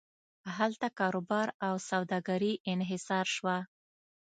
هلته کاروبار او سوداګري انحصار شوه.